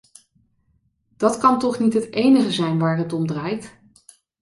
Dat kan toch niet het enige zijn waar het om draait?